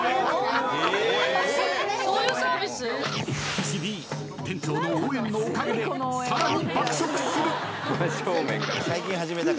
［岸Ｄ店長の応援のおかげでさらに爆食する］